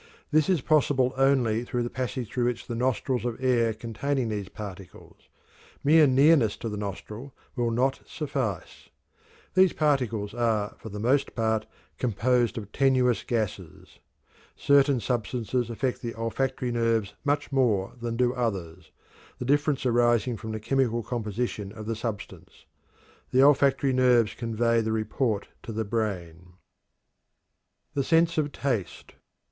This is possible only by the passage through the nostrils of air containing these particles; mere nearness to the nostril will not suffice. These particles are for the most part composed of tenuous gases. Certain substances affect the olfactory nerves much more than do others, the difference arising from the chemical composition of the substance. The olfactory nerves convey the report to the brain. THE SENSE OF TASTE.